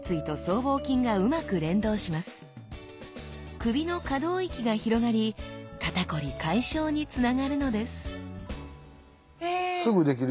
首の可動域が広がり肩こり解消につながるのですすぐできる！